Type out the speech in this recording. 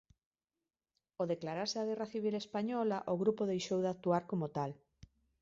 Ó declararse a guerra civil española o grupo deixou de actuar como tal.